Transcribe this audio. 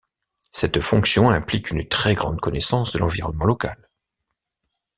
Cette fonction implique une très grande connaissance de l'environnement local.